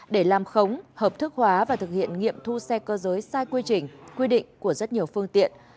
để làm khống hợp thức hóa và thực hiện nghiệm thu xe cơ giới sai quy trình quy định của rất nhiều phương tiện